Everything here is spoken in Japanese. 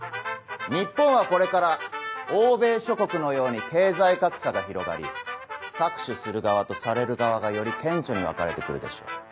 日本はこれから欧米諸国のように経済格差が広がり搾取する側とされる側がより顕著に分かれて来るでしょう。